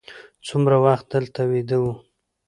څومره وخت دلته ویده وو.